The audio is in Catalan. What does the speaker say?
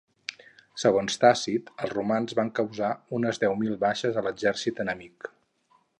Segons Tàcit, els romans van causar unes deu mil baixes a l'exèrcit enemic.